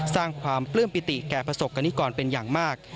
สร้างความปลื้มปิติแก่ประสบกรณิกรเป็นอย่างมาก